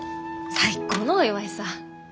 最高のお祝いさ。